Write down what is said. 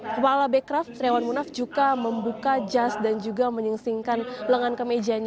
kepala bekraf triawan munaf juga membuka jas dan juga menyingsingkan lengan kemejanya